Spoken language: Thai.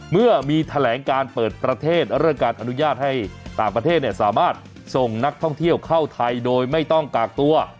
เมื่อมีแถลงการเปิดประเทศเรื่องการอนุญาตให้ต่างประเทศสามารถส่งนักท่องเที่ยวเข้าไทยโดยไม่ต้องกากตัว